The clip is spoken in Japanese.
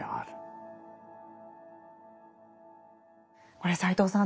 これ斎藤さん